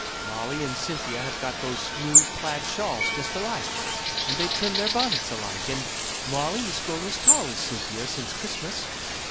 Molly and Cynthia have got their new plaid shawls just alike, and they trim their bonnets alike, and Molly is grown as tall as Cynthia since Christmas.